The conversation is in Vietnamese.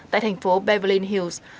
tại thành phố beverly hills